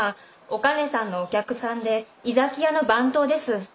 お兼さんのお客さんで井崎屋の番頭です。